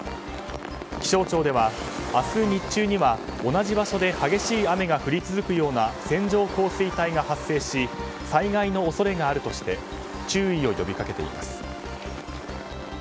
気象庁では明日日中には同じ場所で激しい雨が降り続くような線状降水帯が発生し災害の恐れがあるとして注意を呼び掛けています。